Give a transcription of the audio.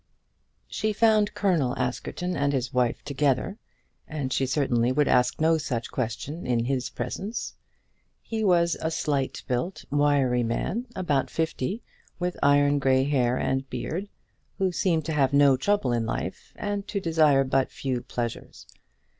She found Colonel Askerton and his wife together, and she certainly would ask no such question in his presence. He was a slight built, wiry man, about fifty, with iron grey hair and beard, who seemed to have no trouble in life, and to desire but few pleasures.